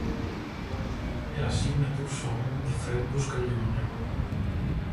È la signature song di Fred Buscaglione.